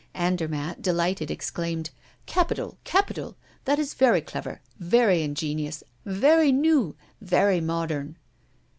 Andermatt, delighted, exclaimed: "Capital, capital! That is very clever, very ingenious, very new, very modern."